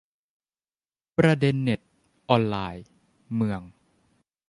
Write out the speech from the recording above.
ประเด็นเน็ต ออนไลน์ เมือง